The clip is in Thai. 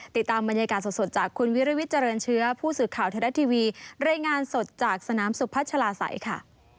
ติดตามบรรยากาศสดจากคุณวิริวิทเจริญเชื้อผู้สื่อข่าวไทยรัฐทีวีรายงานสดจากสนามสุพัชลาศัยค่ะ